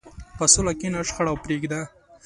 په صلح کښېنه، شخړه پرېږده.